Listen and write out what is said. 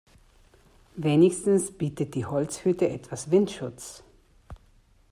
Wenigstens bietet die Holzhütte etwas Windschutz.